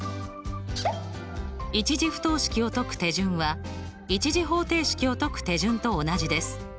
１次不等式を解く手順は１次方程式を解く手順と同じです。